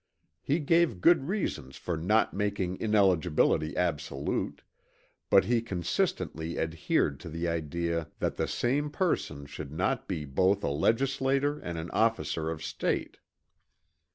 He gave good reasons for not making ineligibility absolute; but he consistently adhered to the idea that the same person should not be both a Legislator and an officer of State.